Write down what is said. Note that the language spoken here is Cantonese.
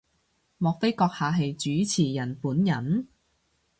莫非閣下係主持人本人？